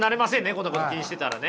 こんなこと気にしてたらね。